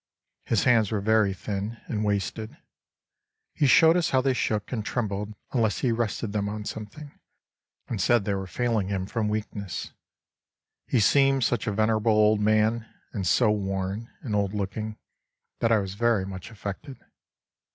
His hands were very thin and wasted, he showed us how they shook and trembled unless he rested them on something, and said they were failing him from weakness.... He seemed such a venerable old man, and so worn and old looking, that I was very much affected.